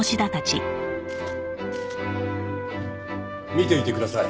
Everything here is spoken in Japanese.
見ていてください。